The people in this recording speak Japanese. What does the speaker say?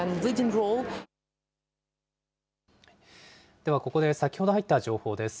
ではここで先ほど入った情報です。